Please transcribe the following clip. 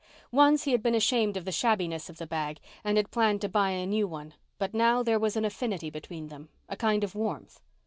Once he had been ashamed of the shabbiness of the bag and had planned to buy a new one, but now there was an affinity between them, a kind of warmth.